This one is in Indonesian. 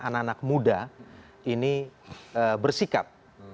anak anak muda ini bersikap